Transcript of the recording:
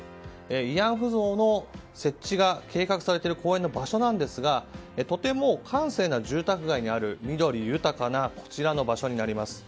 慰安婦像の設置が計画されている公園の場所なんですがとても閑静な住宅街にある緑豊かなこちらの場所になります。